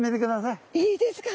いいですか？